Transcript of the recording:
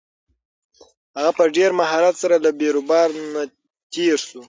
هغه په ډېر مهارت سره له بېروبار نه تېر شو.